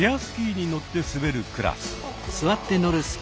スキーに乗って滑るクラス。